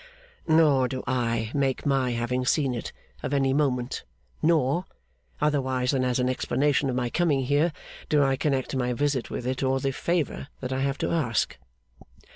'Nor do I make my having seen it of any moment, nor (otherwise than as an explanation of my coming here) do I connect my visit with it or the favour that I have to ask.